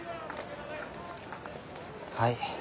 はい。